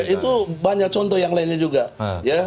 itu banyak contoh yang lainnya juga ya